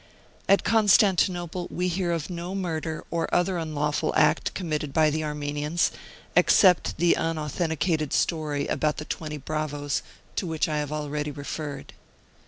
At Constantinople, we hear of no murder or other unlawful act committed by the Armenians, except the unauthenticated story about the twenty bravoes, to which I have already referred.